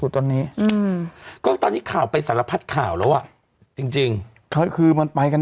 ตอนนี้อืมก็ตอนนี้ข่าวไปสารพัดข่าวแล้วอ่ะจริงจริงคือมันไปกัน